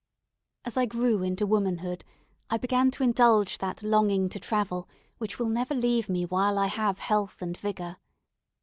As I grew into womanhood, I began to indulge that longing to travel which will never leave me while I have health and vigour.